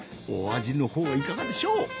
お味のほうはいかがでしょう？